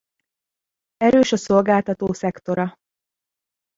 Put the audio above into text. Erős a szolgáltató szektora.